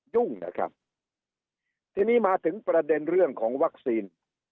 ยุ่งนะครับทีนี้มาถึงประเด็นเรื่องของวัคซีน